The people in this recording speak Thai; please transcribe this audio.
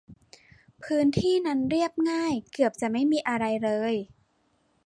พื้นที่นั้นเรียบง่าย เกือบจะไม่มีอะไรเลย